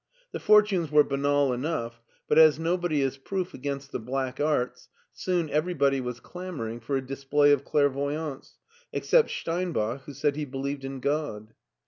The fortunes were banal enough, but as nobody is proof against the black arts, soon everybody was clamoring for a display of clairvo)rance, except Steinbach, who said he believed in God.